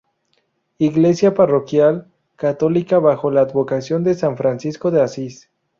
Iglesia parroquial católica bajo la advocación de San Francisco de Asís.